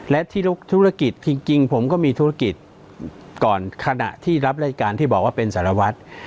และที่ทุกธุรกิจจริงผมก็มีธุรกิจก่อนขณะที่รับรายการที่บอกว่าเป็นสารวัตร